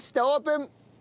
オープン！